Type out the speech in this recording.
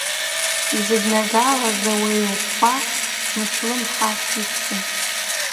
Изыднагалаз ауаҩ ӷәӷәа Мышәлымҳа ихьӡын.